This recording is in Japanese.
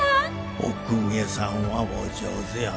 お公家さんはお上手やなぁ。